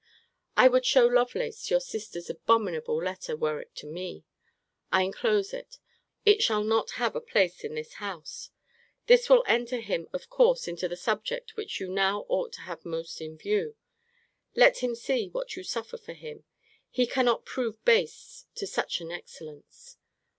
I would show Lovelace your sister's abominable letter, were it to me. I enclose it. It shall not have a place in this house. This will enter him of course into the subject which you now ought to have most in view. Let him see what you suffer for him. He cannot prove base to such an excellence.